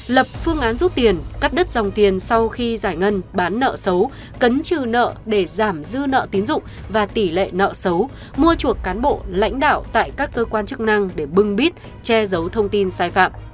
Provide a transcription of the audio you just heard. lập phương án rút tiền cắt đứt dòng tiền sau khi giải ngân bán nợ xấu cấn trừ nợ để giảm dư nợ tín dụng và tỷ lệ nợ xấu mua chuộc cán bộ lãnh đạo tại các cơ quan chức năng để bưng bít che giấu thông tin sai phạm